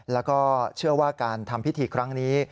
แล้วก็เชื่อว่าการทำพิธีครั้งนี้